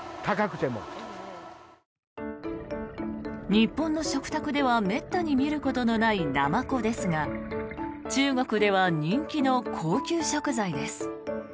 日本の食卓ではめったに見ることのないナマコですが中国では人気の高級食材です。